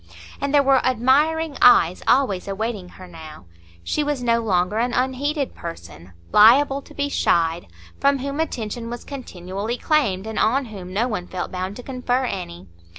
And there were admiring eyes always awaiting her now; she was no longer an unheeded person, liable to be chid, from whom attention was continually claimed, and on whom no one felt bound to confer any.